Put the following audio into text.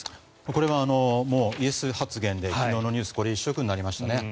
これはイエス発言で昨日ニュースはこれ一色になりましたね。